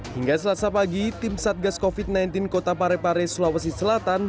hingga selasa pagi tim satgas covid sembilan belas kota parepare sulawesi selatan